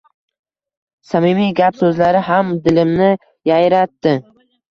Samimiy gap-so‘zlari ham dilimni yayratdi.